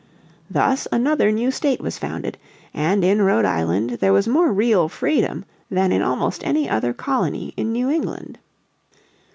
Thus another new state was founded, and in Rhode Island there was more real freedom than in almost any other colony in New England.